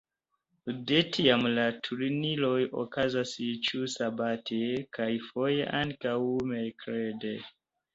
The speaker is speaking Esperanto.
De tiam la turniroj okazas ĉiusabate, kaj foje ankaŭ merkrede.